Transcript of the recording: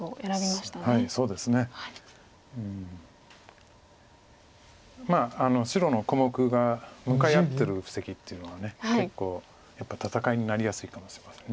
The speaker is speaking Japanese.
まあ白の小目が向かい合ってる布石っていうのは結構やっぱり戦いになりやすいかもしれません。